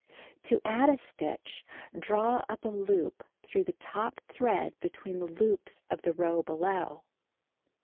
To add a stitch. — Draw up a loop through the top thread between the loops of the row below.